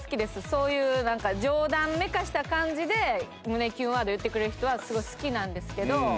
そういうなんか冗談めかした感じで胸キュンワード言ってくれる人はすごい好きなんですけど。